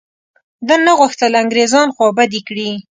ده نه غوښتل انګرېزان خوابدي کړي.